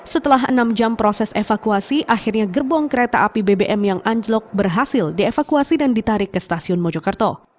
setelah enam jam proses evakuasi akhirnya gerbong kereta api bbm yang anjlok berhasil dievakuasi dan ditarik ke stasiun mojokerto